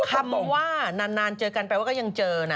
คำว่านานเจอกันแปลว่าก็ยังเจอนะ